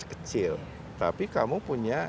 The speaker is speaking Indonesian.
kecil tapi kamu punya